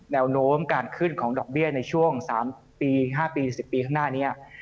แนวโน้มการขึ้นของดอกเบี้ยในช่วง๓ปี๕ปี๑๐ปีข้างหน้านี้